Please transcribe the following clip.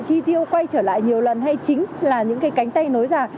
chi tiêu quay trở lại nhiều lần hay chính là những cái cánh tay nối ra